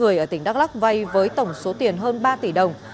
khoảng ba trăm linh người ở tỉnh đắk lắc vay với tổng số tiền hơn ba tỷ đồng